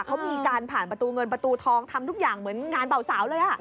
เขามีการผ่านประตูเงินประตูทองทำทุกอย่างเหมือนงานเบาสาวเลย